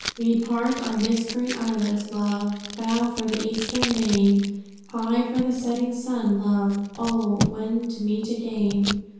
"We part on this green islet, Love, Thou for the Eastern main, I, for the setting sun, Love Oh, when to meet again?